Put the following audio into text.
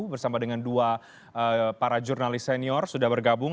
bersama dengan dua para jurnalis senior sudah bergabung